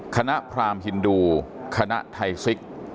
คณะพรามฮินดูคณะไทยศิษย์